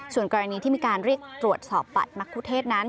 ส่วนกรณีที่มีการเรียกตรวจสอบบัตรมะคุเทศนั้น